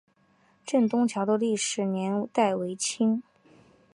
镇东桥的历史年代为清。